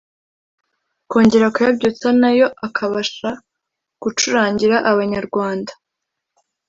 kongera kuyabyutsa nayo akabasha gucurangira Abanyarwanda